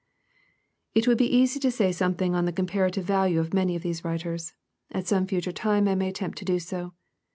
It would be easy to say something on the comparative value of many of these writers. At some future time I may attempt to do so.